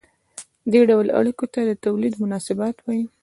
دې ډول اړیکو ته د تولید مناسبات وايي.